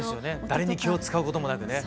誰に気を遣うこともなくね。